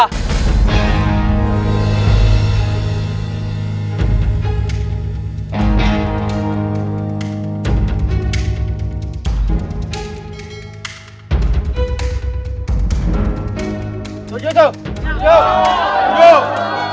setuju atau enggak